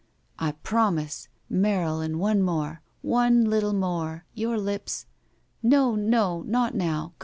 "I promise. Marylin, one more. One little more. Your lips —" "No, no — not now.